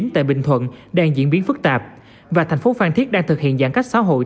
tại bình thuận đang diễn biến phức tạp và thành phố phan thiết đang thực hiện giãn cách xã hội